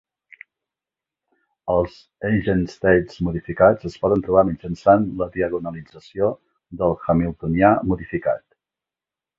Els eigenstates modificats es poden trobar mitjançant la diagonalització del hamiltonià modificat.